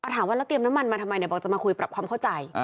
ถามว่าแล้วเตรียมน้ำมันมาทำไมเดี๋ยวปรากฎว่ามีความเข้าใจ